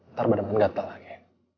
ntar badan badan gatel lagi